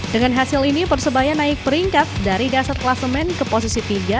dengan hasil ini persebaya naik peringkat dari dasar kelasemen ke posisi tiga